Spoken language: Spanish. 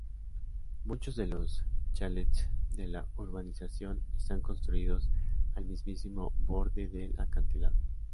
Muchos de los chalets de la urbanización, están construidos al mismísimo borde del acantilado.